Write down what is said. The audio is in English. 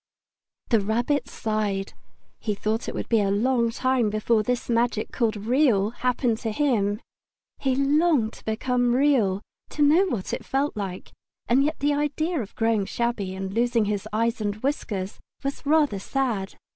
The Rabbit sighed. He thought it would be a long time before this magic called Real happened to him. He longed to become Real, to know what it felt like; and yet the idea of growing shabby and losing his eyes and whiskers was rather sad.